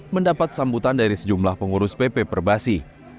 mendapat sambutan dari sejumlah pengurus pp perbasi